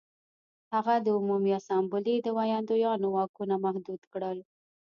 هغه د عمومي اسامبلې د ویاندویانو واکونه محدود کړل